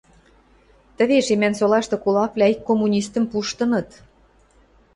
Тӹвеш Эмӓнсолашты кулаквлӓ ик коммунистӹм пуштыныт.